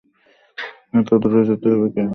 এত দুরে যেতে হবে কেন?